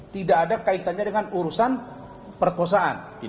tidak ada kaitannya dengan urusan perkosaan